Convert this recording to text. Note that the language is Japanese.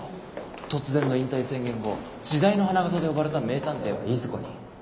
突然の引退宣言後時代の花形と呼ばれた名探偵はいずこに？